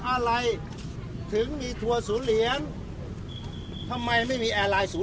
เอาใบหนึ่งเอาใบหนึ่งผมอยากได้หนึ่งโยค